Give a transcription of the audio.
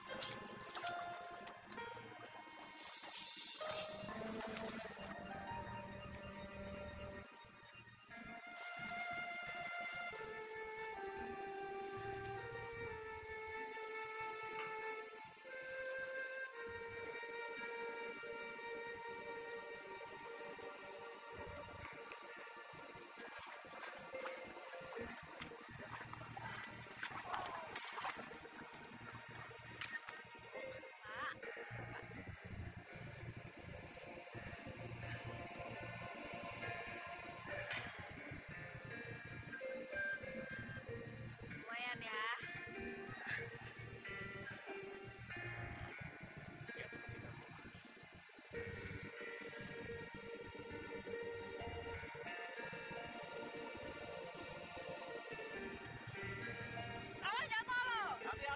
aktif melihat setara se